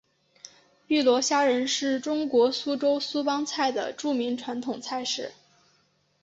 碧螺虾仁是中国苏州苏帮菜的著名传统菜式。